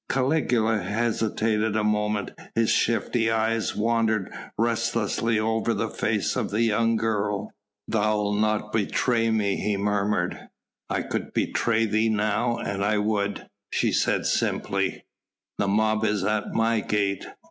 Caligula hesitated a moment, his shifty eyes wandered restlessly over the face of the young girl. "Thou'lt not betray me?" he murmured. "I could betray thee now an I would," she said simply. "The mob is at my gate.